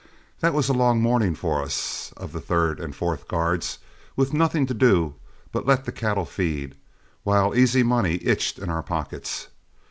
That was a long morning for us of the third and fourth guards, with nothing to do but let the cattle feed, while easy money itched in our pockets.